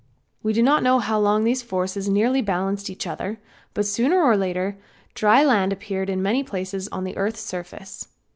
We do not know how long these forces nearly balanced each other, but sooner or later dry land appeared in many places on the earth's surface.